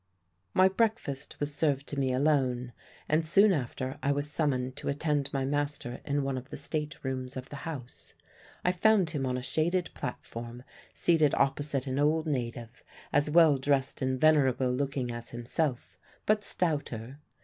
"My breakfast was served to me alone, and soon after I was summoned to attend my master in one of the state rooms of the house. I found him on a shaded platform, seated opposite an old native as well dressed and venerable looking as himself, but stouter.